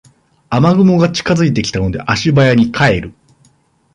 雨雲が近づいてきたので足早に帰る